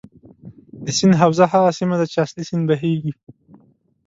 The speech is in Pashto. د سیند حوزه هغه سیمه ده چې اصلي سیند بهیږي.